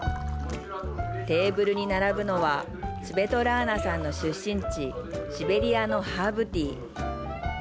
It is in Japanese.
テーブルに並ぶのはスベトラーナさんの出身地シベリアのハーブティー。